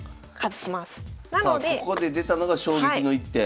さあここで出たのが衝撃の一手。